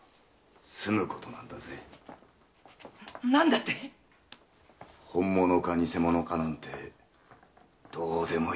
何だって⁉本物か偽物かなんてどうでもいいんだよ。